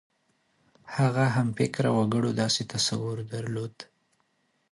هغه همفکره وګړو داسې تصور درلود.